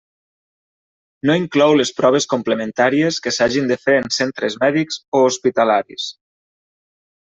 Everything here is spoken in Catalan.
No inclou les proves complementàries que s'hagin de fer en centres mèdics o hospitalaris.